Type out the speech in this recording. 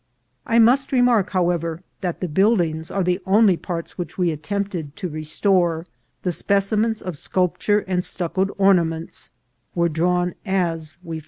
I must re mark, however, that the buildings are the only parts which we attempted to restore ; the specimens of sculp ture and stuccoed ornaments were drawn as we found them.